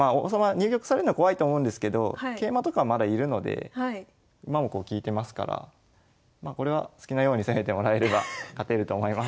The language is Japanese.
入玉されんのは怖いと思うんですけど桂馬とかまだいるので馬もこう利いてますからこれは好きなように攻めてもらえれば勝てると思います。